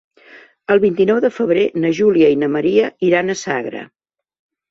El vint-i-nou de febrer na Júlia i na Maria iran a Sagra.